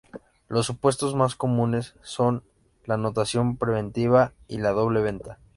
Los supuestos más comunes son: la anotación preventiva y la doble venta.